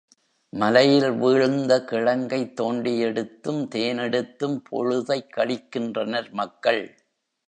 மலையில் வீழ்ந்த கிழங்கைத் தோண்டியெடுத்தும், தேனெடுத்தும் பொழுதைக் கழிக்கின்றனர் மக்கள்.